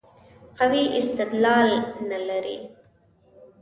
قوي استدلال نه لري.